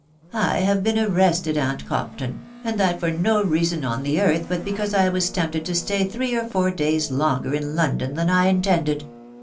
I have been arrested, aunt Compton, and that for no reason on the earth but because I was tempted to stay three or four days longer in London than I intended.